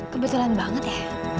kebetulan banget ya